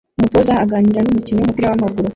Umutoza aganira numukinnyi wumupira wamaguru